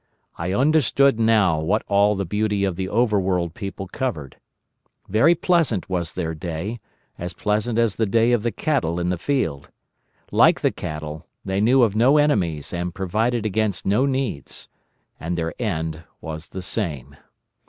I understood now what all the beauty of the Overworld people covered. Very pleasant was their day, as pleasant as the day of the cattle in the field. Like the cattle, they knew of no enemies and provided against no needs. And their end was the same.